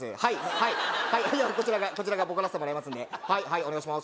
はいはいいやこちらがこちらがボコらせてもらいますんではいはいお願いします